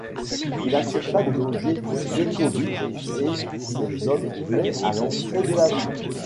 Il accepta de loger Bekovitch et ses hommes mais à l'entrée de la ville.